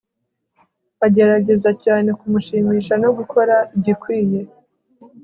Agerageza cyane kumushimisha no gukora igikwiye